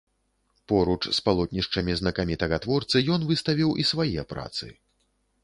Поруч з палотнішчамі знакамітага творцы ён выставіў і свае працы.